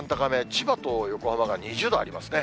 千葉と横浜が２０度ありますね。